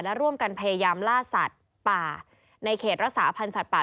และร่วมกันพยายามล่าสัตว์ป่าในเขตรักษาพันธ์สัตว์ป่า